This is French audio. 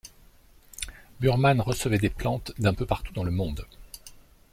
Burman recevait des plantes d'un peu partout dans le monde.